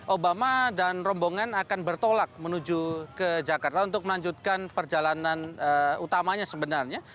obama dan rombongan akan bertolak menuju ke jakarta untuk melanjutkan perjalanan utamanya sebenarnya